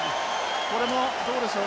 これもどうでしょう？